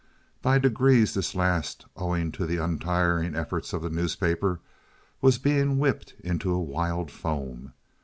By degrees this last, owing to the untiring efforts of the newspapers, was being whipped into a wild foam.